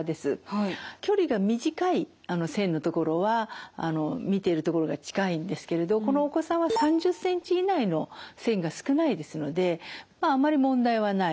距離が短い線のところは見ているところが近いんですけれどこのお子さんは３０センチ以内の線が少ないですのでまああまり問題はない。